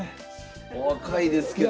お若いですけども。